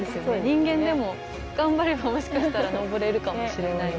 人間でも頑張ればもしかしたら登れるかもしれない。